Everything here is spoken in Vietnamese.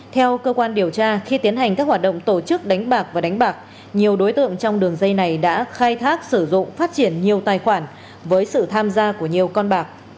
theo cơ quan điều tra khi tiến hành các hoạt động tổ chức đánh bạc và đánh bạc nhiều đối tượng trong đường dây này đã khai thác sử dụng phát triển nhiều tài khoản với sự tham gia của nhiều con bạc